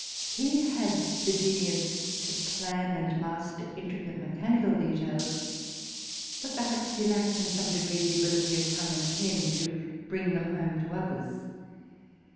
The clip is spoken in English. He had the genius to plan and master intricate mechanical details, but perhaps he lacked in some degree the ability of tongue and pen to bring them home to others.